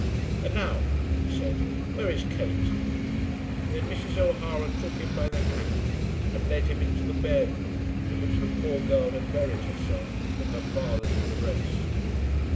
"And now," he said, "where is Kate?" Then Mrs. O'Hara took him by the hand and led him into the bedroom in which the poor girl had buried herself from her father's embrace.